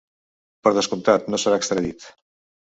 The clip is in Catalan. Per descomptat, no serà extradit.